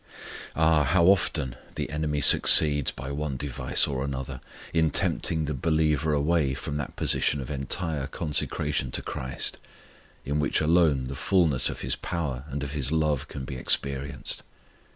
Ah, how often the enemy succeeds, by one device or another, in tempting the believer away from that position of entire consecration to CHRIST in which alone the fulness of His power and of His love can be experienced.